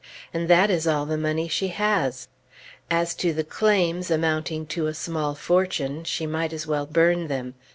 And that is all the money she has. As to the claims, amounting to a small fortune, she might as well burn them.